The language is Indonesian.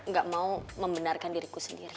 gak mau membenarkan diriku sendiri